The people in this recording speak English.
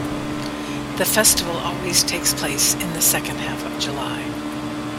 The festival always takes place in the second half of July.